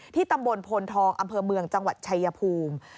ตำบลโพนทองอำเภอเมืองจังหวัดชายภูมิ